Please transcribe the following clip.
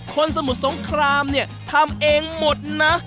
สมุทรสงครามเนี่ยทำเองหมดนะ